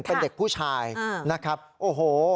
เป็นเด็กผู้ชายนะครับโอ้โห